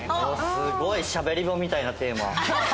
すごい『しゃべり場』みたいなテーマ。